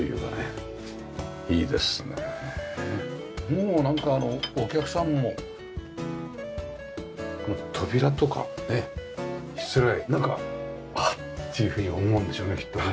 もうなんかお客さんもこの扉とかしつらえなんか「あっ」っていうふうに思うんでしょうねきっとね。